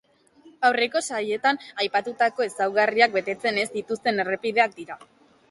Aurreko sailetan aipatutako ezaugarriak betetzen ez dituzten errepideak dira.